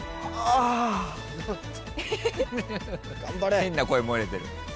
変な声漏れてる。